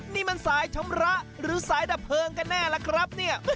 นี่มันสายชำระหรือสายดับเพลิงกันแน่ล่ะครับเนี่ย